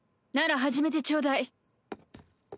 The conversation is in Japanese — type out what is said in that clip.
なら始めてちょうだい。